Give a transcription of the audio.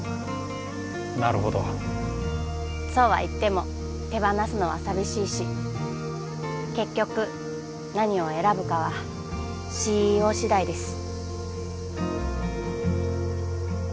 なるほどそうは言っても手放すのは寂しいし結局何を選ぶかはＣＥＯ次第です